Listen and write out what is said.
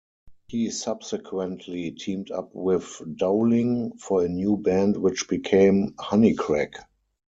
He subsequently teamed up with Dowling for a new band which became Honeycrack.